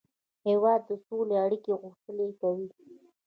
هېواد د سولې اړیکې غښتلې کوي.